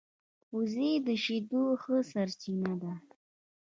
وزې د شیدو ښه سرچینه ده